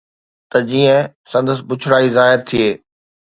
ته جيئن سندس بڇڙائي ظاهر ٿئي